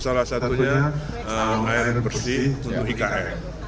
salah satunya air bersih untuk ikn